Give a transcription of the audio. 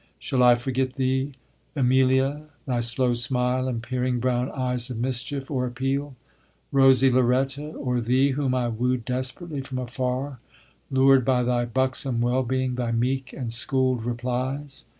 Shall I forget thee, Emilia, thy slow smile and peering brown eyes of mischief or appeal? Rosy Lauretta, or thee, whom I wooed desperately from afar, lured by thy buxom wellbeing, thy meek and schooled replies?